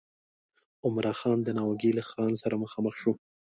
عمرا خان د ناوګي له خان سره مخامخ شو.